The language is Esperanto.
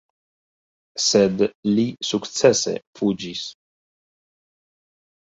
Sed li sukcese fuĝis.